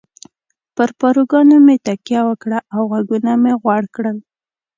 پر پاروګانو مې تکیه وکړه او غوږونه مې غوړ کړل.